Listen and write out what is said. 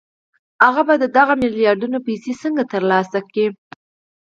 هغه به دغه ميلياردونه پيسې څنګه ترلاسه کړي؟